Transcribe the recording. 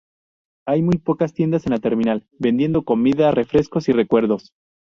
Hay muy pocas tiendas en la terminal, vendiendo comida, refrescos, y recuerdos.